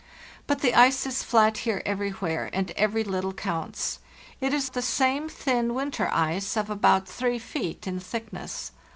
But the ice is flat here everywhere, and every little counts. It is the same thin winter ice of about three feet in thickness.